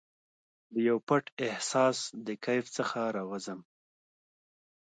دیو پټ احساس د کیف څخه راوزم